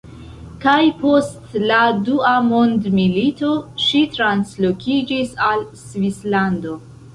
Kaj post la dua mondmilito, ŝi translokiĝis al Svislando.